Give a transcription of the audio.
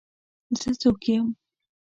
زه څوک یم؟